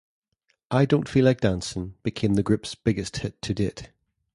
"I Don't Feel Like Dancin'" became the group's biggest hit to date.